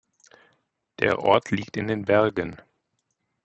Der Ort liegt in den Bergen.